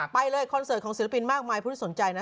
ไปเลยคอนเสิร์ตของศิลปินมากมายผู้ที่สนใจนะ